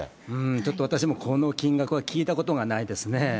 ちょっと私もこの金額は聞いたことがないですね。